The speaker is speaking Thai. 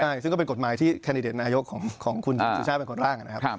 ใช่ซึ่งก็เป็นกฎหมายที่แคนดิเดตนายกของคุณสุชาติเป็นคนร่างนะครับ